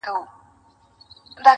په ځنگله کي چي دي هره ورځ غړومبی سي-